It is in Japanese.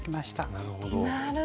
なるほど！